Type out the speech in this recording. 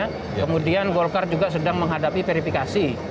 kemudian golkar juga sedang menghadapi verifikasi